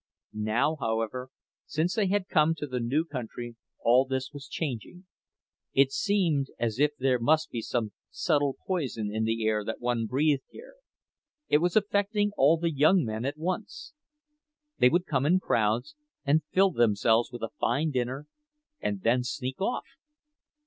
Now, however, since they had come to the new country, all this was changing; it seemed as if there must be some subtle poison in the air that one breathed here—it was affecting all the young men at once. They would come in crowds and fill themselves with a fine dinner, and then sneak off.